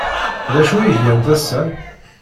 D acu ay gant ass-a?